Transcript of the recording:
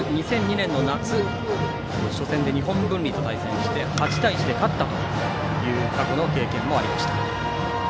２００２年の夏初戦で日本文理と対戦して８対１で勝ったという過去の経験もありました。